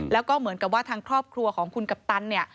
แล้วก็เหมือนกับว่าทางครอบครัวของคุณกัปตันเนี่ย